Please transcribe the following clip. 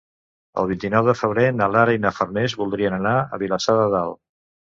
El vint-i-nou de febrer na Lara i na Farners voldrien anar a Vilassar de Dalt.